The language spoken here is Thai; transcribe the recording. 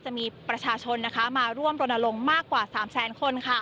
จะมีประชาชนมาร่วมรณรงค์มากกว่า๓แสนคน